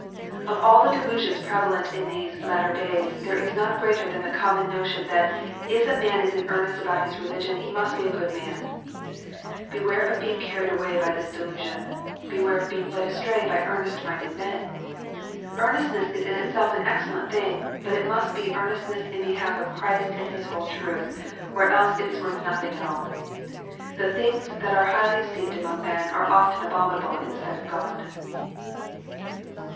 345 the delusions prevalent in these latter days, there is none greater than the common notion that " if a man is in earnest about his religion he must be a good man !" Beware of being carried away by this delusion : beware of being led astray by " earnest minded men !" Earnestness is in itself an excellent thing ; but it must be earnestness in behalf of Christ and His whole truth, or else it is worth nothing at all. The things that are highly esteemed among men are often abominable in the sight of God.